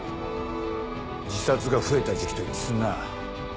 自殺が増えた時期と一致すんなぁ。